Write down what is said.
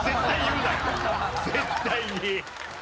絶対に。